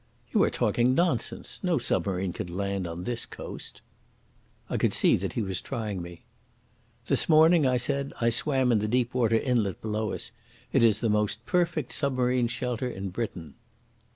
"You are talking nonsense. No submarine could land on this coast." I could see that he was trying me. "This morning," I said, "I swam in the deep water inlet below us. It is the most perfect submarine shelter in Britain."